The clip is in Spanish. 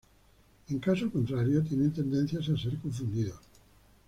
En caso contrario, tienen tendencia a ser confundidos.